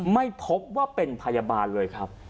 ไม่พบว่าเป็นพยาบาลเลยครับ